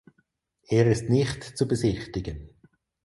Er ist nicht zu besichtigen.